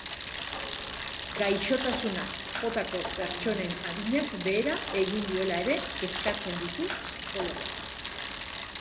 Gaixotasunak jotako pertsonen adinak behera egin duela ere kezkatzen ditu psikologoak.